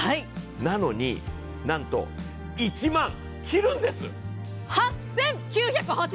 なのに、なんと１万切るんです。